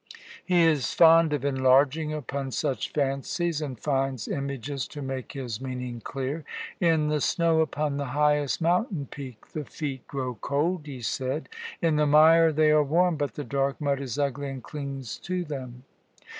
"He is fond of enlarging upon such fancies, and finds images to make his meaning clear. "'In the snow upon the highest mountain peak the feet grow cold,' he said. 'In the mire they are warm, but the dark mud is ugly and clings to them.'